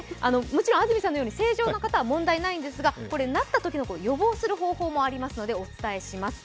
もちろん安住さんのように正常な方は問題ないんですがこれ予防する方法もありますので、お伝えします。